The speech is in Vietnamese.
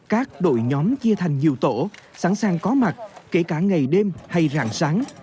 các đội nhóm chia thành nhiều tổ sẵn sàng có mặt kể cả ngày đêm hay rạng sáng